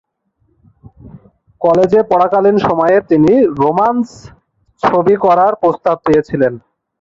কলেজে পড়াকালীন সময়ে তিনি "রোমান্স ছবি" করার জন্য প্রস্তাব পেয়েছিলেন।